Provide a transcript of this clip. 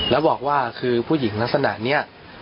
แล้วบอกว่าคือผู้หญิงลักษณะนี้